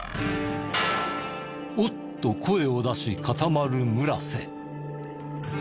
「おっ」と声を出し固まる村瀬。